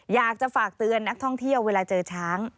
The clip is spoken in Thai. อยากจะฝากเตือนนักท่องเที่ยวเวลาเจอช้าง